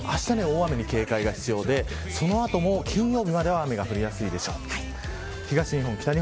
あした、大雨に警戒が必要でその後も金曜日までは雨が降りやすいでしょう。